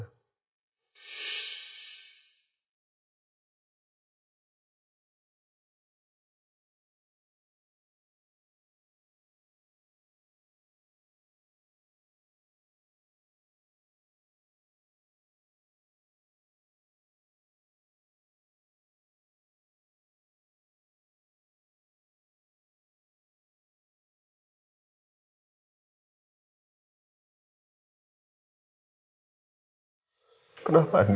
untuk menyayangi reina